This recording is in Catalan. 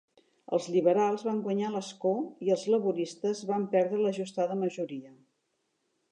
Els lliberals van guanyar l'escó i els laboristes van perdre l'ajustada majoria.